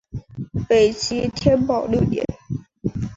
北齐天保六年。